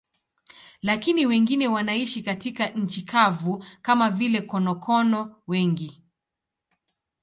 Lakini wengine wanaishi katika nchi kavu, kama vile konokono wengi.